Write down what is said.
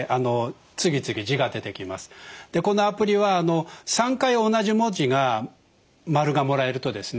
このアプリは３回同じ文字が○がもらえるとですね